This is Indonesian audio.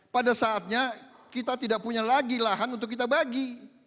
pada saatnya kita tidak punya lagi lahan untuk kita bagi